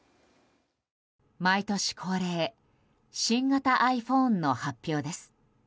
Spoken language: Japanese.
毎年恒例新型ｉＰｈｏｎｅの発表です。